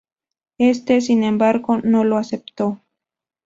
Éste, sin embargo, no lo aceptó.